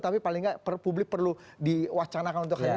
tapi paling tidak publik perlu diwacanakan untuk hari ini